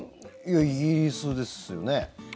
いや、イギリスですよね。